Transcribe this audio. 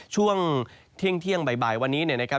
ช่วงเที่ยงบ่ายวันนี้เนี่ยนะครับ